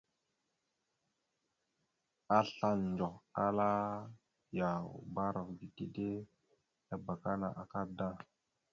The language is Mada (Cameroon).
Asla ndzoh, ala: « Yaw, bbarav ge dede ya abakana akadda. ».